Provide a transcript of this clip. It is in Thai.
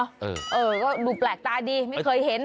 เออก็ดูแปลกตาดีไม่เคยเห็น